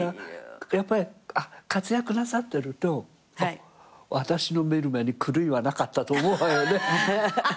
やっぱり活躍なさってると私の見る目に狂いはなかったと思うわよね。